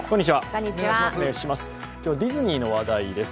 今日はディズニーの話題です。